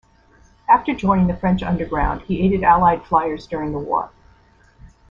After joining the French underground, he aided Allied flyers during the war.